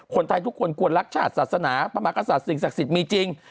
คนไทยทุกคนควรรักชาติศาสนาพระมหากษัตริย์สิ่งศักดิ์สิทธิ์มีจริง